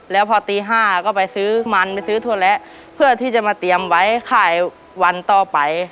แล้วพอตี๕ก็ไปซื้อมันไปซื้อถั่วแระเพื่อที่จะมาเตรียมไว้ขายวันต่อไป